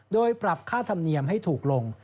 โดยปรับค่าธรรมเนียมให้ถูกลง